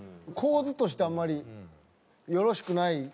構図としてあんまりよろしくない。